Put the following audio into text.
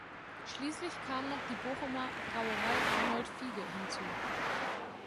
Schließlich kam noch die Bochumer "Brauerei Arnold Fiege" hinzu.